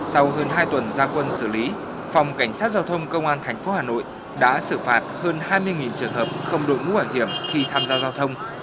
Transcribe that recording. sau hơn hai tuần gia quân xử lý phòng cảnh sát giao thông công an tp hà nội đã xử phạt hơn hai mươi trường hợp không đội mũ bảo hiểm khi tham gia giao thông